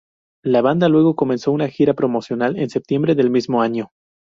La banda luego comenzó una gira promocional en septiembre del mismo año.